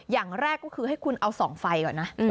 อย่างแรกก็คือให้คุณเอา๒ไฟก่อนนะ